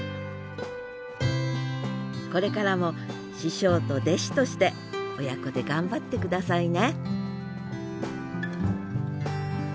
これからも師匠と弟子として親子で頑張って下さいね